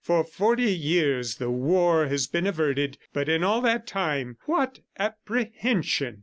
For forty years, the war has been averted, but in all that time, what apprehension!"